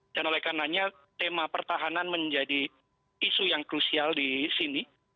dan oleh karenanya tema pertahanan menjadi isu yang krusial di sini